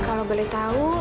kalau boleh tahu